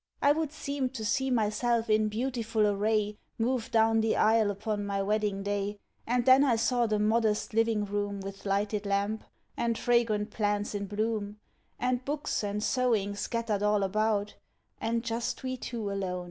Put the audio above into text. I would seem To see myself in beautiful array Move down the aisle upon my wedding day; And then I saw the modest living room With lighted lamp, and fragrant plants in bloom, And books and sewing scattered all about, And just we two alone.